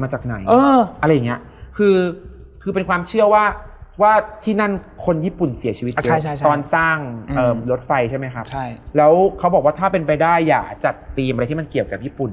เหมือนไม่ใช่คนไทย